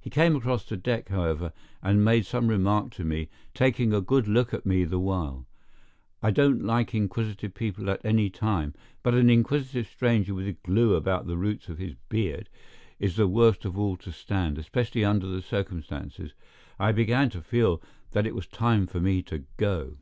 He came across the deck, however, and made some remark to me, taking a good look at me the while. I don't like inquisitive people at any time, but an inquisitive stranger with glue about the roots of his beard is the worst of all to stand, especially under the circumstances. I began to feel that it was time for me to go.